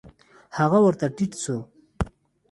هغه ورته ټيټ سو.